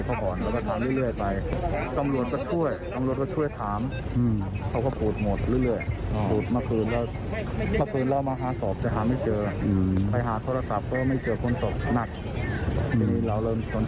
เขาบอกว่าเรียกมากินข้าว